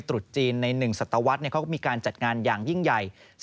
ตรุษจีนใน๑ศัตวรรษเขาก็มีการจัดงานอย่างยิ่งใหญ่